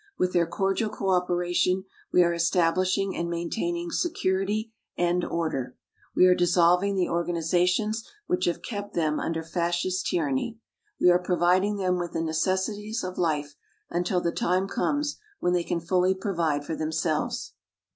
With their cordial cooperation, we are establishing and maintaining security and order we are dissolving the organizations which have kept them under Fascist tyranny we are providing them with the necessities of life until the time comes when they can fully provide for themselves.